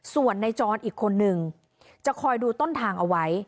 ส่วนในจรอีกคนนึงจะคอยดูต้นทางเอาไว้